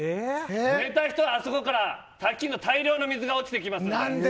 寝た人はあそこから大量の水が落ちてきますので。